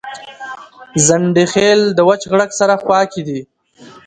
ځنډيخيل دوچ غړک سره خواکی دي